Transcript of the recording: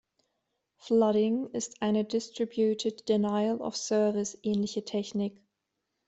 Flooding ist eine Distributed-Denial-of-Service-ähnliche Technik.